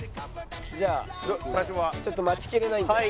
じゃあちょっと待ちきれないんで。